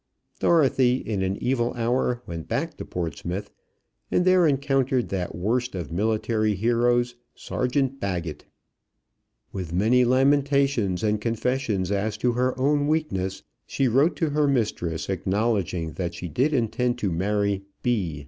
Dorothy in an evil hour went back to Portsmouth, and there encountered that worst of military heroes, Sergeant Baggett. With many lamentations, and confessions as to her own weakness, she wrote to her mistress, acknowledging that she did intend to marry "B."